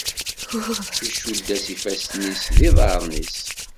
Icudd-as ifassen-is d yiḍaren-is.